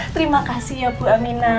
terima kasih ya bu amina